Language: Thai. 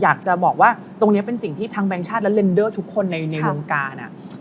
อยากจะบอกว่าตรงนี้เป็นสิ่งที่ทางแบงค์ชาติและเลนเดอร์ทุกคนในวงการ